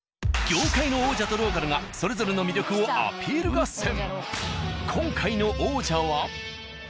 業界の王者とローカルがそれぞれの魅力をアピール合戦。